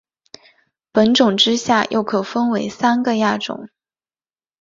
本种之下又可分为三个亚种。